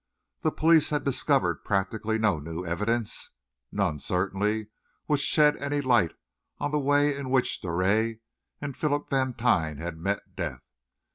The police had discovered practically no new evidence; none, certainly, which shed any light on the way in which Drouet and Philip Vantine had met death.